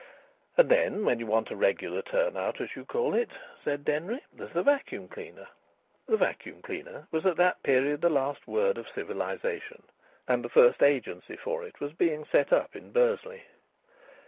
"And then when you want a regular turn out, as you call it," said Denry, "there's the vacuum cleaner." The vacuum cleaner was at that period the last word of civilisation, and the first agency for it was being set up in Bursley.